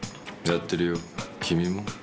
やってるよ君も？